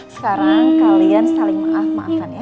sekarang kalian saling maaf maafan ya